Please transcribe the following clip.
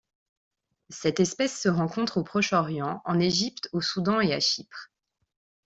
Cette espèce se rencontre au Proche-Orient, en Égypte, au Soudan et à Chypre.